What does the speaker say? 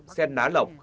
xen đá lọc